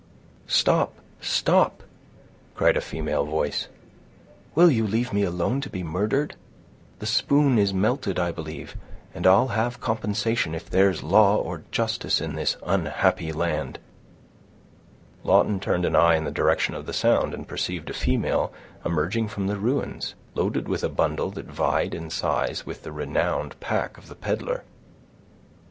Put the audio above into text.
"Stop, stop," cried a female voice. "Will you leave me alone to be murdered? The spoon is melted, I believe, and I'll have compensation, if there's law or justice in this unhappy land." Lawton turned an eye in the direction of the sound, and perceived a female emerging from the ruins, loaded with a bundle that vied in size with the renowned pack of the peddler.